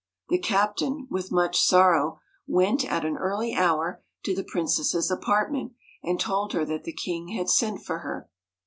The captain, with much sorrow, went at an early hour to the princess's apartment, and told her that the king had sent for her.